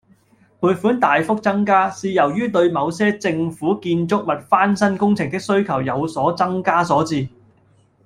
撥款大幅增加，是由於對某些政府建築物翻修工程的需求有所增加所致